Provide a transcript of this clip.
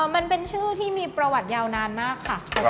มันเป็นชื่อที่มีประวัติยาวนานมากค่ะ